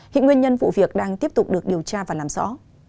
hiện nguyên nhân vụ việc đang tiếp tục được điều tra và làm rõ